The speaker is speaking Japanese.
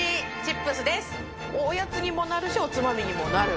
おやつにもなるしおつまみにもなる。